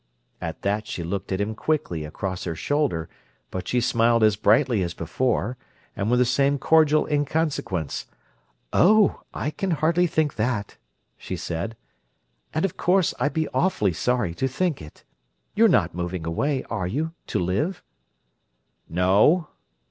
At that she looked at him quickly, across her shoulder, but she smiled as brightly as before, and with the same cordial inconsequence: "Oh, I can hardly think that!" she said. "And of course I'd be awfully sorry to think it. You're not moving away, are you, to live?" "No."